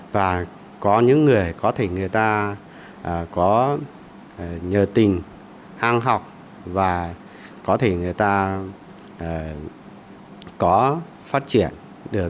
và có những người có thể người ta có nhờ tình hăng học và có thể người ta có phát triển được